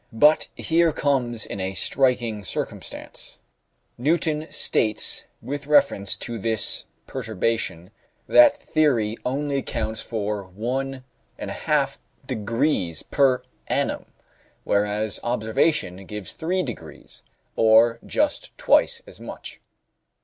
But here comes in a striking circumstance. Newton states with reference to this perturbation that theory only accounts for 1 1/2° per annum, whereas observation gives 3°, or just twice as much.